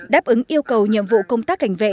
đáp ứng yêu cầu nhiệm vụ công tác cảnh vệ